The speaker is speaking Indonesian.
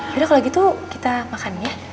yaudah kalau gitu kita makan ya